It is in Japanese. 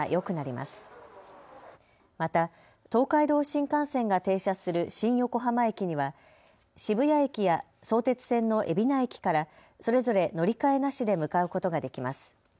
また東海道新幹線が停車する新横浜駅には渋谷駅や相鉄線の海老名駅から、それぞれ乗り換えなしで向かうことができます。